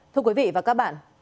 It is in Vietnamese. thưa quý vị và các bạn